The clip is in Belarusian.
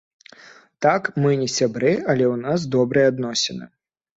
Так, мы не сябры, але ў нас добрыя адносіны.